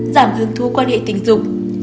giảm hương thú quan hệ tình dục